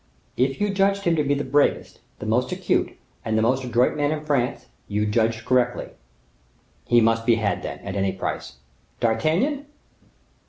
"If you judged him to be the bravest, the most acute, and the most adroit man in France, you judged correctly." "He must be had then, at any price." "D'Artagnan?"